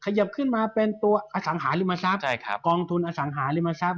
ขยับเข้ามาเป็นตัวกองทุนอสังหาริมทรัพย์